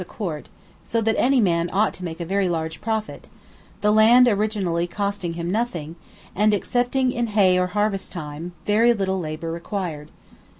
a quart; so that any man ought to make a very large profit, the land originally costing him nothing, and, excepting in hay or harvest time, very little labour required.